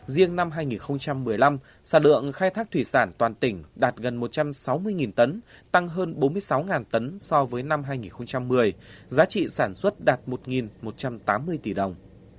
riêng năm hai nghìn một mươi năm sản lượng khai thác thủy sản toàn tỉnh đạt gần một trăm sáu mươi tấn